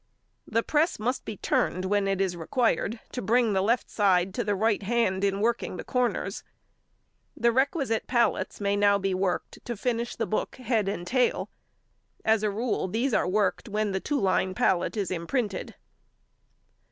The press must be turned when it is required to bring the left side to the right hand in working the corners. The requisite pallets may now be worked to finish the book |140| head and tail. As a rule these are worked when the two line pallet is imprinted.